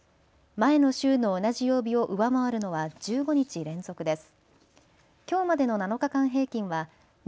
前の週の同じ曜日を上回るのは１５日連続です。